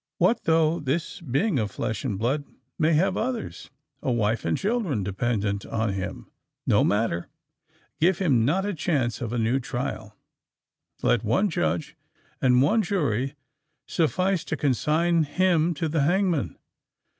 What though this being of flesh and blood may have others—a wife and children—dependent on him? No matter! Give him not the chance of a new trial: let one judge and one jury suffice to consign him to the hangman!